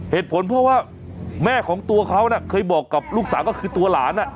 เหตุผลเพราะว่าแม่ของตัวเขาเคยบอกกับลูกสาวก็คือตัวหลาน